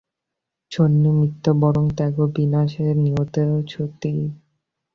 সন্নিমিত্তে বরং ত্যাগো বিনাশে নিয়তে সতি।